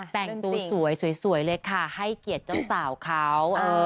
แต่งตัวสวยสวยเลยค่ะให้เกียรติเจ้าสาวเขา